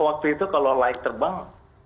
waktu itu kalau like terbang